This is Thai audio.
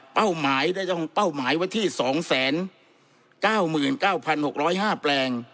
เป้าหมายว่าที่๒๙๙๖๐๕แปลง